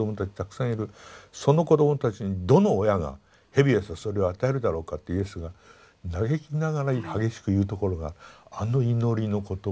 その子どもたちにどの親が蛇やサソリを与えるだろうかってイエスが嘆きながら激しく言うところがあの祈りの言葉なんですよ。